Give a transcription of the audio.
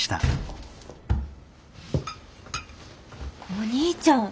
お兄ちゃん。